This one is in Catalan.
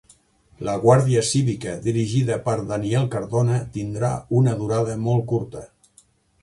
La Guàrdia Cívica dirigida per Daniel Cardona tindria una durada molt curta.